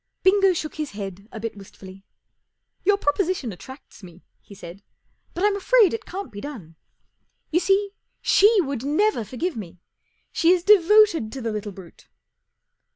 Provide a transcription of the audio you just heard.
Bingo shook his head a bit wistfully. 44 Your proposition attracts me," he said, 4 but I'm afraid it can't be done. You see. She would never forgive me. She is devoted to the little brute."